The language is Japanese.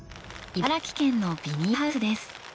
茨城県のビニールハウスです。